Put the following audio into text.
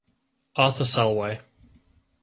Arthur Salwey.